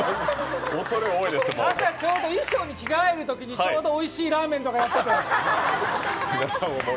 朝、ちょうど衣装に着替えるときにおいしいラーメンとかやってて。